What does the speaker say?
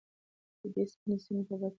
د ده سپینې څڼې په باد کې لړزېدې.